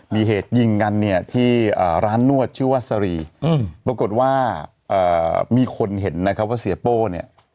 มีเหตุยิงกันเนี่ยที่ร้านนวดชื่อว่าสรีปรากฏว่ามีคนเห็นนะครับว่าเสียโป้เนี่ย